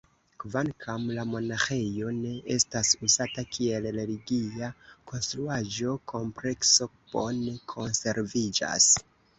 Kvankam la monaĥejo ne estas uzata kiel religia konstruaĵo, la komplekso bone konserviĝas.